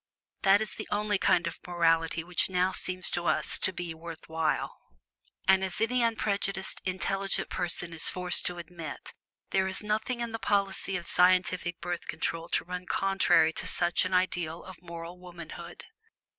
That is the only kind of morality which now seems to us to be worth while. And, as any unprejudiced intelligent person is forced to admit, there is nothing in the policy of scientific Birth Control to run contrary to such an ideal of moral womanhood.